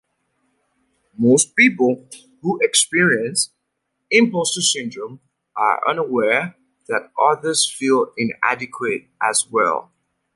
Most people who experience impostor syndrome are unaware that others feel inadequate as well.